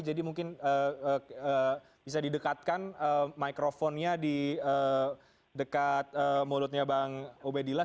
jadi mungkin bisa didekatkan mikrofonnya di dekat mulutnya bang obeidillah